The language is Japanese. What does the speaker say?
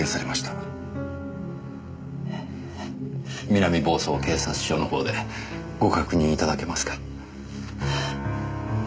南房総警察署の方でご確認頂けますか？